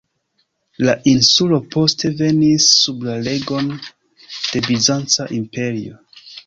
La insulo poste venis sub la regon de Bizanca imperio.